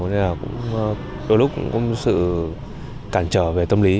nên là đôi lúc cũng có sự cản trở về tâm lý